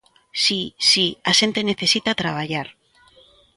Si, si, a xente necesita traballar.